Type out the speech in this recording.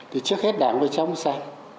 thì trước hết đảng và trong xã